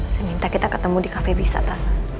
saya minta kita ketemu di cafe bisata